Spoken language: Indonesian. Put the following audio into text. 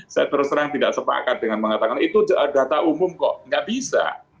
saya terus terang tidak sepakat dengan mengatakan itu data umum kok nggak bisa